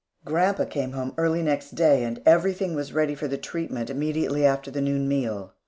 Grandpa came home early next day and everything was ready for the treatment immediately after the noon meal.